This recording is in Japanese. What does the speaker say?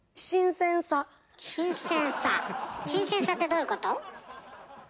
「新鮮さ」ってどういうこと？